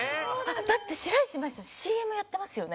だって白石麻衣さんＣＭやってますよね？